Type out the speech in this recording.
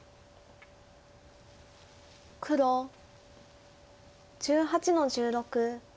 黒１８の十六ノビ。